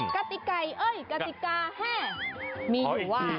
กติไก่เอ้ยกติกาแห้มีอยู่ว่า